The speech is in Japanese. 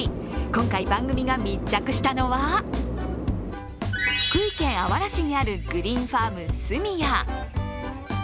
今回、番組が密着したのは福井県あわら市にあるグリーンファーム角屋。